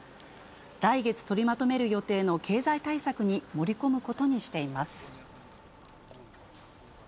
来月取りまとめる予定の経済対策に盛り込むことにしています。